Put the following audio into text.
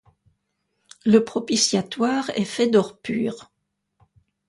Le propitiatoire est fait d'or pur.